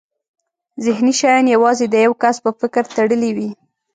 ذهني شیان یوازې د یو کس په فکر تړلي وي.